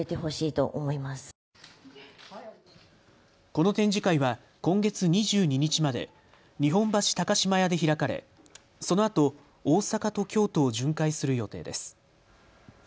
この展示会は今月２２日まで日本橋高島屋で開かれそのあと、大阪と京都を巡回する予定です。